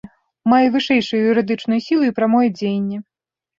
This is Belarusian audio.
Мае вышэйшую юрыдычную сілу і прамое дзеянне.